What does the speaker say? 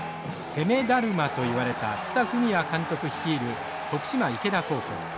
攻めだるまといわれた蔦文也監督率いる徳島池田高校。